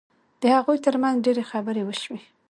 د هغوی ترمنځ ډېرې خبرې وشوې